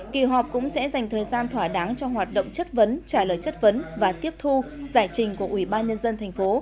kỳ họp cũng sẽ dành thời gian thỏa đáng cho hoạt động chất vấn trả lời chất vấn và tiếp thu giải trình của ủy ban nhân dân thành phố